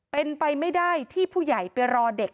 เป็นไปไม่ได้ที่ผู้ใหญ่ไปรอเด็ก